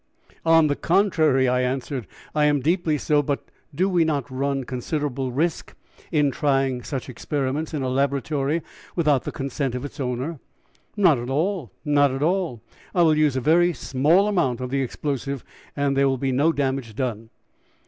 "On the contrary," I answered, "I am deeply so, but do we not run considerable risk in trying such experiments in a laboratory without the consent of its owner?" "Not at all, not at all. I will use a very small amount of the explosive, and there will be no damage done."